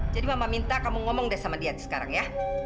jadi mama minta kamu ngomong deh sama dia sekarang ya